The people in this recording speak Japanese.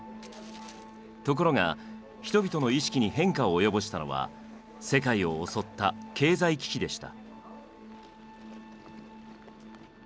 ところが人々の意識に変化を及ぼしたのは世界を襲った経済危機でした。